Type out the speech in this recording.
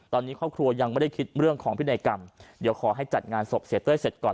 ตอนนี้ครอบครัวยังไม่ได้คิดเรื่องของพินัยกรรมเดี๋ยวขอให้จัดงานศพเสียเต้ยเสร็จก่อน